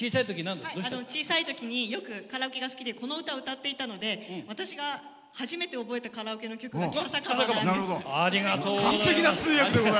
小さいときによくカラオケが好きでこの歌を歌っていたので私が、初めて覚えたカラオケの曲が「北酒場」。